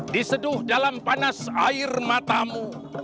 diseduh dalam panas air matamu